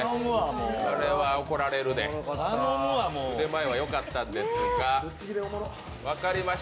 それは怒られるで、腕前はよかったんですが。